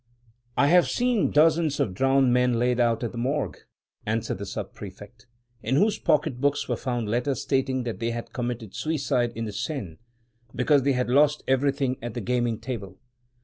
" "I have seen dozens of drowned men laid out at the Morgue," answered the Sub prefect, "in whose pocket books were found letters stating that they had committed suicide in the Seine, because they had lost everything at the gaming table.